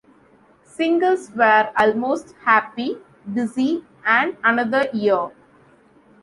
Singles were "Almost Happy", "Busy" and "Another Year".